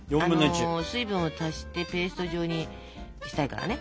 水分を足してペースト状にしたいからね。